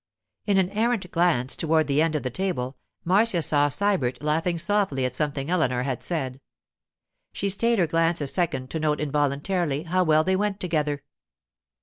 In an errant glance toward the other end of the table, Marcia saw Sybert laughing softly at something Eleanor had said. She stayed her glance a second to note involuntarily how well they went together.